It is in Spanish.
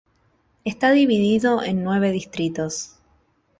Está dividido en nueve distritos.